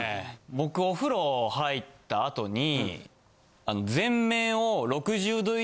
僕お風呂入った後に。